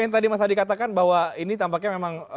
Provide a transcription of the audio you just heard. yang tadi mas adi katakan bahwa ini tampaknya memang